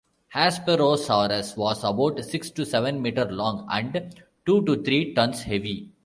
"Hesperosaurus" was about six to seven metres long and two to three tonnes heavy.